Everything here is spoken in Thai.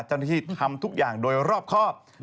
เจ้าหน้าที่ทำทุกอย่างโดยรอบครอบ